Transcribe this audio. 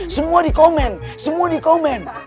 semua di komen semua di komen